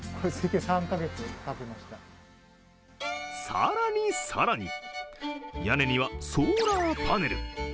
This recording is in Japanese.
更に更に、屋根にはソーラーパネル。